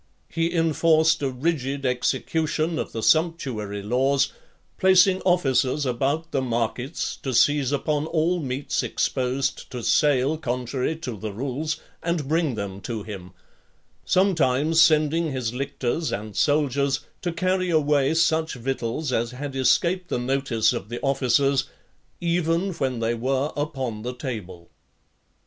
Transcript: He enforced a rigid execution of the sumptuary laws; placing officers about the markets, to seize upon all meats exposed to sale contrary to the rules, and bring them to him; sometimes sending his lictors and soldiers to (30) carry away such victuals as had escaped the notice of the officers, even when they were upon the table.